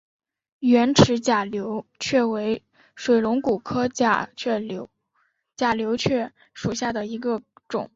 圆齿假瘤蕨为水龙骨科假瘤蕨属下的一个种。